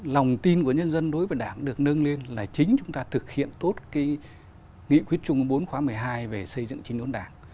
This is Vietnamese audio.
lòng tin của nhân dân đối với đảng được nâng lên là chính chúng ta thực hiện tốt nghị quyết chung ương bốn khóa một mươi hai về xây dựng chính đốn đảng